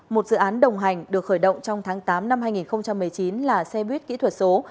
một dự án đồng hành được khởi động trong tháng tám năm hai nghìn một mươi chín là xe buýt kỹ thuật số